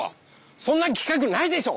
そんなきかくないでしょ！